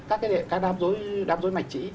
các đám dối mạch chỉ